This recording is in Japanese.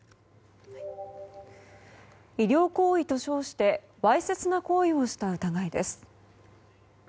医療行為と称してわいせつな行為をした疑いです。